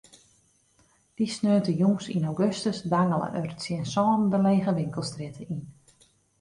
Dy sneontejûns yn augustus dangele er tsjin sânen de lege winkelstrjitte yn.